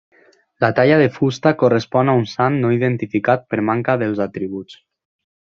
La talla de fusta correspon a un sant no identificat per manca dels atributs.